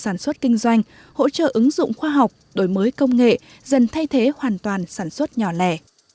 sản xuất kinh doanh hỗ trợ ứng dụng khoa học đổi mới công nghệ dần thay thế hoàn toàn sản xuất nhỏ lẻ